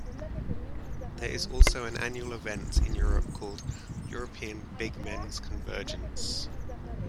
There is also an annual event in Europe called "European Big Men's Convergence".